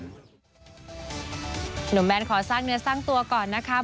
หนุ่มแนนขอสร้างเนื้อสร้างตัวก่อนนะครับ